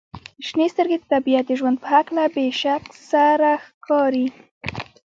• شنې سترګې د طبیعت د ژوند په هکله بې شک سره ښکاري.